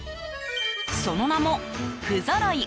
その名もふぞろい